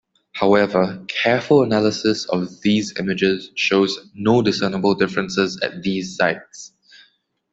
However, careful analysis of these images shows no discernible differences at these sites.